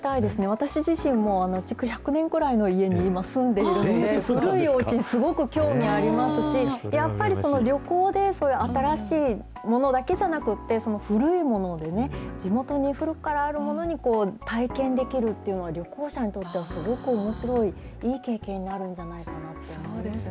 私自身も築１００年くらいの家に今、住んでいるので、古いおうちにすごく興味ありますし、やっぱり、その旅行で新しいものだけじゃなくって、古いものをね、地元に古くからあるものに、こう体験できるって、旅行者にとってはすごくおもしろい、いい経験になるんじゃないかなって思いますけどそうですね。